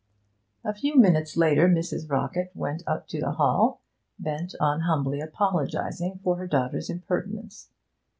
A few minutes later Mrs. Rockett went up to the Hall, bent on humbly apologising for her daughter's impertinence.